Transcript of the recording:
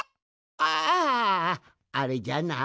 ああれじゃな。